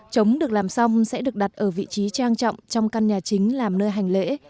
trống được làm xong sẽ được đặt ở vị trí trang trọng trong căn nhà chính làm nơi hành lễ